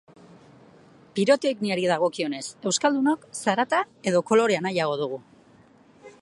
Pirotekniari dagokionez, euskaldunok zarata edo kolorea nahiago dugu?